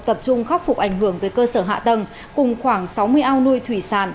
tập trung khắc phục ảnh hưởng về cơ sở hạ tầng cùng khoảng sáu mươi ao nuôi thủy sản